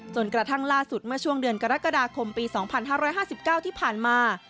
จนกระทั่งล่าสุดเมื่อช่วงเดือนกรกฎาคมปี๒๕๕๙ที่ผ่านมา